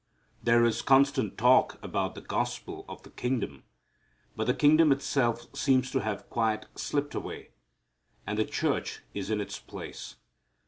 There is constant talk about "the gospel of the kingdom," but the kingdom itself seems to have quite slipped away, and the church is in its place.